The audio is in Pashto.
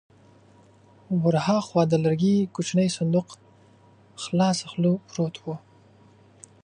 ور هاخوا د لرګي کوچينی صندوق خلاصه خوله پروت و.